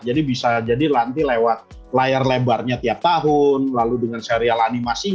bisa jadi nanti lewat layar lebarnya tiap tahun lalu dengan serial animasi